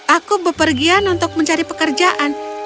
aku bepergian untuk mencari pekerjaan